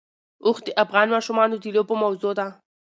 اوښ د افغان ماشومانو د لوبو موضوع ده.